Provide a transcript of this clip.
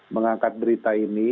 mengangkat berita ini